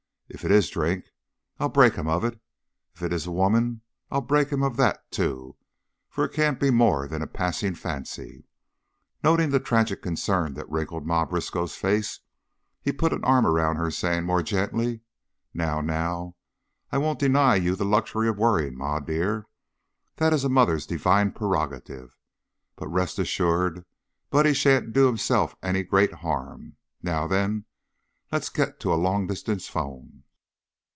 If it is drink, I'll break him of it. If it is a woman I'll break him of that, too, for it can't be more than a passing fancy." Noting the tragic concern that wrinkled Ma Briskow's face, he put an arm about her, saying more gently: "Now, now! I won't deny you the luxury of worrying, Ma dear. That is a mother's divine prerogative, but rest assured Buddy sha'n't do himself any great harm. Now then, let's get to a long distance phone."